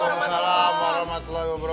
waalaikumsalam warahmatullahi wabarakatuh